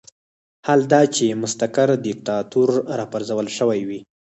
حال دا چې مستقر دیکتاتور راپرځول شوی وي.